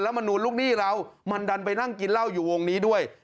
มนูลลูกหนี้เรามันดันไปนั่งกินเหล้าอยู่วงนี้ด้วย